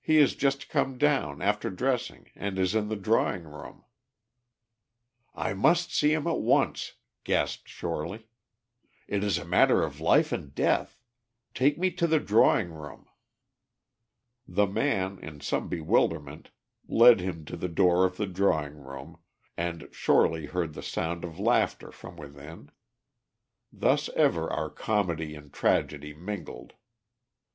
He has just come down, after dressing, and is in the drawing room. "I must see him at once," gasped Shorely. "It is a matter of life and death. Take me to the drawing room." The man, in some bewilderment, led him to the door of the drawing room, and Shorely heard the sound of laughter from within. Thus ever are comedy and tragedy mingled.